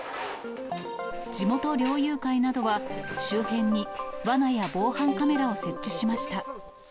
地元猟友会などは、周辺にわなや防犯カメラを設置しました。